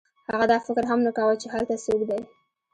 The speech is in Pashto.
هغه دا فکر هم نه کاوه چې هلته څوک دی